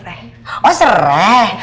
lemongrass apa ya